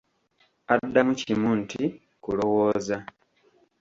Addamu kimu nti; "Kulowooza."